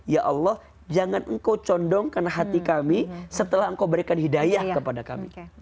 ya allah jangan engkau condongkan hati kami setelah engkau berikan hidayah kepada kami